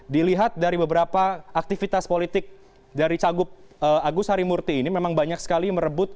dilihat dari beberapa aktivitas politik dari cagup agus harimurti ini memang banyak sekali merebut